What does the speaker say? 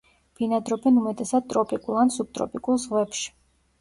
ბინადრობენ უმეტესად ტროპიკულ ან სუბტროპიკულ ზღვებში.